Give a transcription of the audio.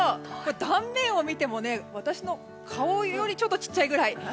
断面を見ても、私の顔よりもちょっと小さいくらい。